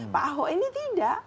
pak ahok ini tidak